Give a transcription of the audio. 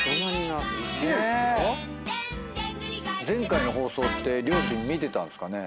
前回の放送両親見てたんすか？